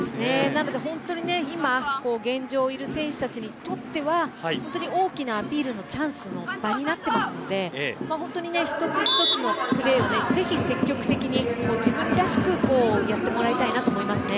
本当に今現状いる選手たちにとっては本当に大きなアピールのチャンスの場になっているので本当に一つ一つのプレーをぜひ積極的に自分らしくやってもらいたいなと思いますね。